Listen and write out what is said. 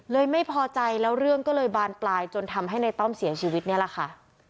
ไม่พอใจแล้วเรื่องก็เลยบานปลายจนทำให้ในต้อมเสียชีวิตนี่แหละค่ะ